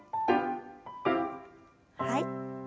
はい。